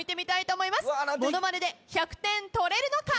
モノマネで１００点取れるのか？